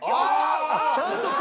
ちゃんとＶ。